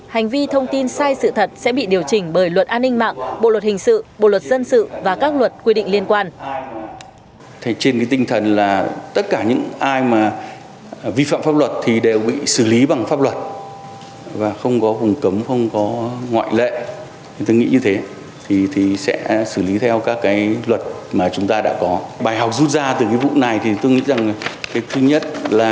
hành vi thông tin sai sự thật sẽ bị điều chỉnh bởi luật an ninh mạng bộ luật hình sự bộ luật dân sự và các luật quy định liên quan